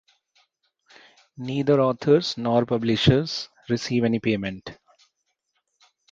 Neither authors nor publishers received any payment.